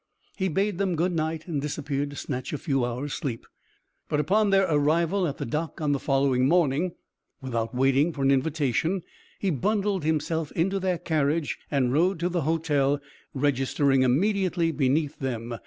He bade them good night and disappeared to snatch a few hours' sleep, but upon their arrival at the dock on the following morning, without waiting for an invitation he bundled himself into their carriage and rode to the hotel, registering immediately beneath them.